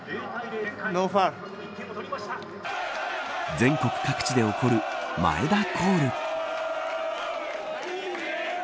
全国各地で起こる前田コール。